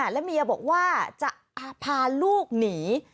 และเมียบอกว่าจะพาลูกหนี